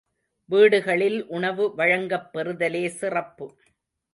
வீடுகளில் உணவு வழங்கப் பெறுதலே சிறப்பு.